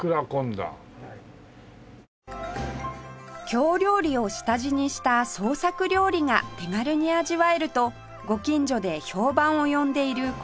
京料理を下地にした創作料理が手軽に味わえるとご近所で評判を呼んでいるこちらのお店